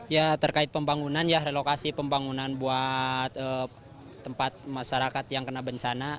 ya terkait pembangunan ya relokasi pembangunan buat tempat masyarakat yang kena bencana